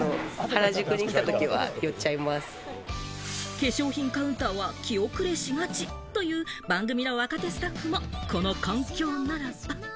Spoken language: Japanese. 化粧品カウンターは気後れしがちという番組の若手スタッフもこの環境ならば！